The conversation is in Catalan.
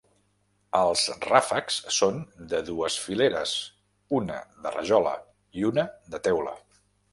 Els ràfecs són de dues fileres, una de rajola i una de teula.